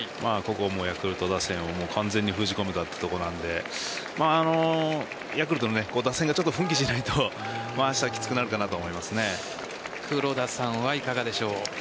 ヤクルト打線を完全に封じ込めたというところなのでヤクルトの打線がちょっと奮起しないと黒田さんはいかがでしょうか？